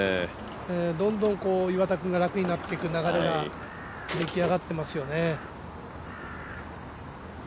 どんどん岩田君が楽になっていく流れが出来上がってますよね。